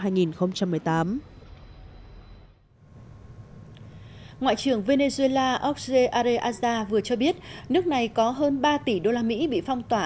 ngoại trưởng venezuela jorge arreaza vừa cho biết nước này có hơn ba tỷ usd bị phong tỏa